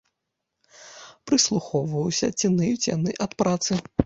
Прыслухоўваўся, ці ныюць яны ад працы.